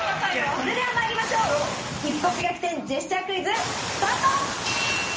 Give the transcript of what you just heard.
それではまいりましょう「一発逆転‼ジェスチャークイズ」スタート。